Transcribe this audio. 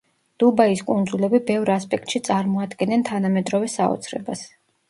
დუბაის კუნძულები ბევრ ასპექტში წარმოადგენენ თანამედროვე საოცრებას.